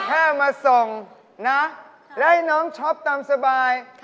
แค่มาส่งนะและให้น้องชอบตามสบาย